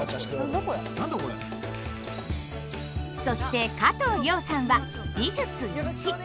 そして加藤諒さんは「美術Ⅰ」。